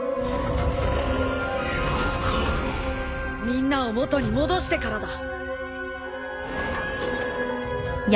みんなを元に戻してからだ。